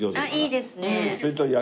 いいですね。